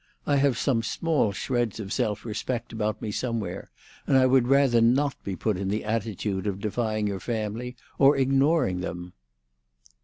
I have some small shreds of self respect about me somewhere, and I would rather not be put in the attitude of defying your family, or ignoring them."